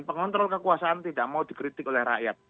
pengontrol kekuasaan tidak mau dikritik oleh rakyat